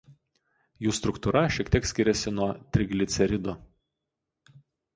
Jų struktūra šiek tiek skiriasi nuo trigliceridų.